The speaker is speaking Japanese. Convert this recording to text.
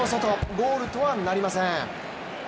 ゴールとはなりません。